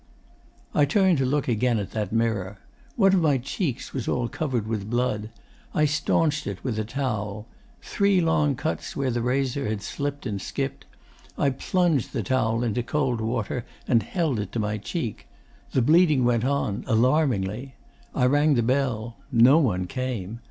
'I turned to look again at that mirror. One of my cheeks was all covered with blood. I stanched it with a towel. Three long cuts where the razor had slipped and skipped. I plunged the towel into cold water and held it to my cheek. The bleeding went on alarmingly. I rang the bell. No one came.